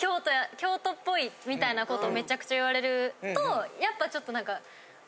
みたいな事めちゃくちゃ言われるとやっぱちょっと何か。